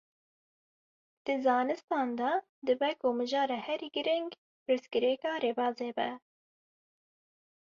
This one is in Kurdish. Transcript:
Di zanistan de dibe ku mijara herî giring, pirsgirêka rêbazê be.